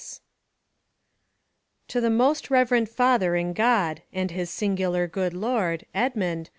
cTO THE MOST REVE rend Father in God, and his sin guler good Tor d^ Edmond,^?